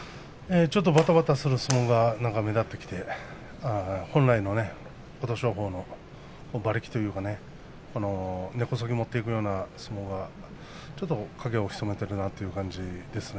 ちょっとばたばたする相撲が目立ってきて本来の琴勝峰の馬力というか根こそぎ持っていくような相撲がちょっと影を潜めているかなという感じです。